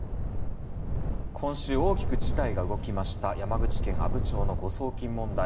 今週大きく事態が動きました山口県阿武町の誤送金問題。